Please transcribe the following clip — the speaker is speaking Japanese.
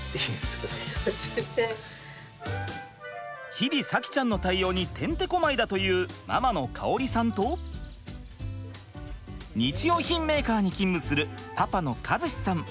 日々咲希ちゃんの対応にてんてこまいだというママのかおりさんと日用品メーカーに勤務するパパの和志さん。